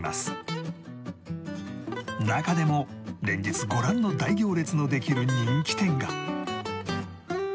中でも連日ご覧の大行列のできる人気店が